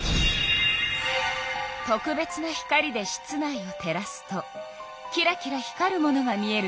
特別な光で室内を照らすとキラキラ光るものが見えるでしょ？